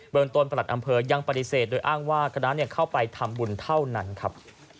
ต้นประหลัดอำเภอยังปฏิเสธโดยอ้างว่าคณะเข้าไปทำบุญเท่านั้นครับ